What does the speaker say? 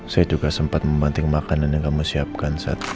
saya juga sempat memanting makanan yang kamu siapkan saat